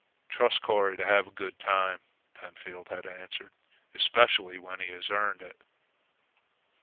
"Trust Corry to have a good time," Pentfield had answered; "especially when he has earned it."